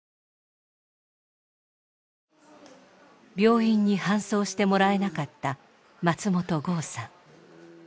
病院に搬送してもらえなかった松本剛さん。